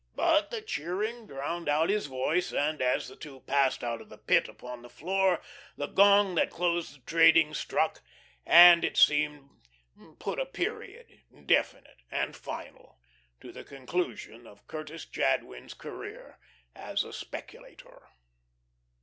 But the cheering drowned his voice; and as the two passed out of the Pit upon the floor, the gong that closed the trading struck and, as it seemed, put a period, definite and final to the conclusion of Curtis Jadwin's career as speculator.